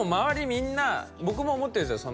みんな僕も思ってるんですよ